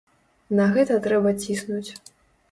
На гэта трэба ціснуць.